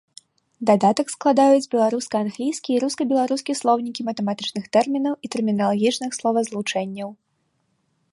Дадатак складаюць беларуска-англійскі і руска-беларускі слоўнікі матэматычных тэрмінаў і тэрміналагічных словазлучэнняў.